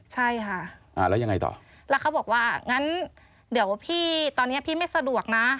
ใช่ค่ะอ่าแล้วยังไงต่อแล้วเขาบอกว่างั้นเดี๋ยวพี่ตอนนี้พี่ไม่สะดวกนะ